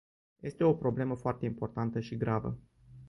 Este o problemă foarte importantă și gravă.